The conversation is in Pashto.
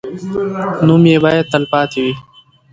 نوم یې باید تل پاتې وي.